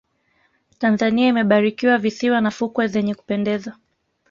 tanzania imebarikiwa visiwa na fukwe zenye kupendeza